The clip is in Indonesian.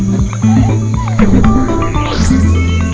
kita cari makan yuk